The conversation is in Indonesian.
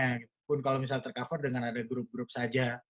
walaupun kalau misalnya tercover dengan ada grup grup saja